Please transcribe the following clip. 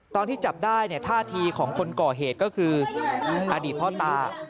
ตอนที่จับได้เนี่ยท่าทีของคนก่อเหตุก็คืออดีตพ่อตา